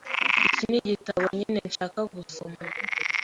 Iki nigitabo nyine nshaka gusoma.